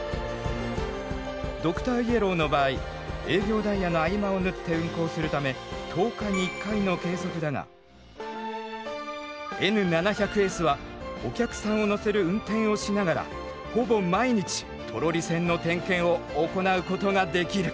ドクターイエローの場合営業ダイヤの合間を縫って運行するため１０日に１回の計測だがＮ７００Ｓはお客さんを乗せる運転をしながらほぼ毎日トロリ線の点検を行うことができる。